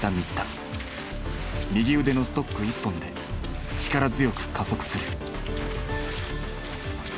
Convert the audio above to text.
右腕のストック１本で力強く加速する。